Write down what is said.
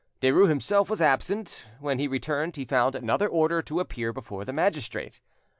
Derues himself was absent; when he returned he found another order to appear before the magistrate.